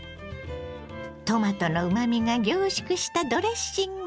トマトのうまみが凝縮したドレッシング。